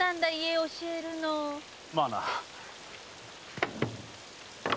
まあな。